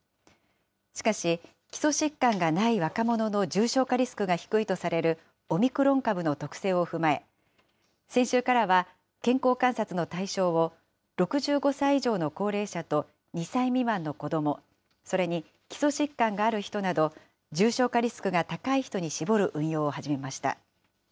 しかし、基礎疾患がない若者の重症化リスクが低いとされるオミクロン株の特性を踏まえ、先週からは健康観察の対象を、６５歳以上の高齢者と、２歳未満の子ども、それに基礎疾患がある人など、重症化リスクが高い人に絞る運用を始めました。